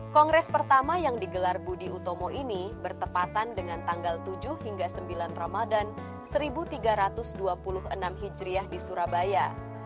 kongres pertama yang digelar budi utomo ini bertepatan dengan tanggal tujuh hingga sembilan ramadan seribu tiga ratus dua puluh enam hijriah di surabaya